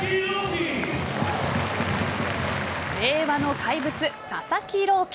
令和の怪物・佐々木朗希。